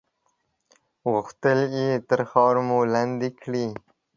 غوښتل یې تر خاورو مو لاندې کړي.